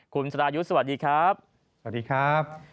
คุณสรายุทธ์สวัสดีครับสวัสดีครับ